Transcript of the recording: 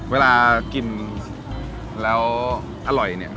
เวลากินแล้วอร่อยเนี่ย